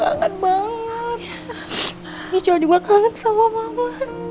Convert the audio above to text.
mama kangen banget michelle juga kangen sama mama